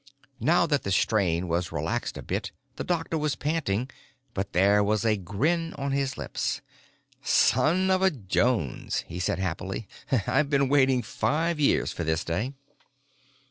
Now that the strain was relaxed a bit the doctor was panting, but there was a grin on his lips. "Son of a Jones," he said happily, "I've been waiting five years for this day!"